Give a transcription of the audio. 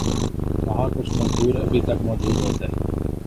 وہاں کچھ مزدور ابھی تک موجود ہوتے